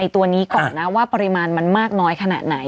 ตัวนี้ก่อนนะว่าปริมาณมันมากน้อยขนาดไหน